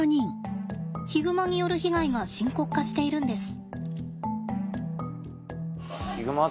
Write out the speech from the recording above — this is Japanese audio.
ヒグマによる被害が深刻化しているんです。